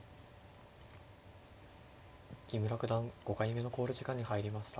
木村九段５回目の考慮時間に入りました。